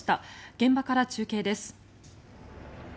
現場から中継です。